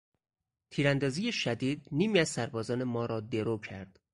تیراندازی شدید نیمی از سربازان ما را درو کرد.